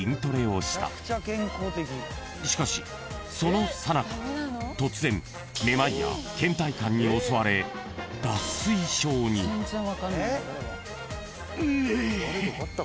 ［しかしそのさなか突然目まいや倦怠感に襲われ］うう。